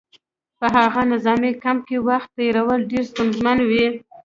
په هغه نظامي کمپ کې وخت تېرول ډېر ستونزمن وو